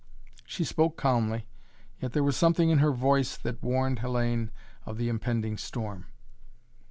She spoke calmly, yet there was something in her voice that warned Hellayne of the impending storm.